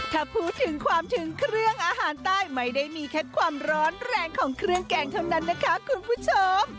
ถ้าพูดถึงความถึงเครื่องอาหารใต้ไม่ได้มีแค่ความร้อนแรงของเครื่องแกงเท่านั้นนะคะคุณผู้ชม